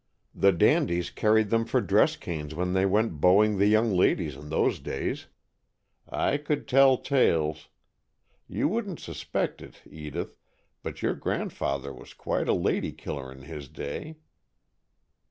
The dandies carried them for dress canes when they went beauing the young ladies in those days. I could tell tales ! You wouldn't suspect it, Edith, but your grandfather was quite a lady killer in his day."